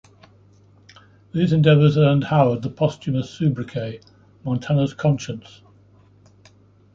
These endeavors earned Howard the posthumous sobriquet, Montana's Conscience.